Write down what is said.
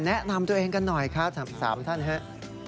แนะนำตัวเองกันหน่อยครับ๓ท่านครับ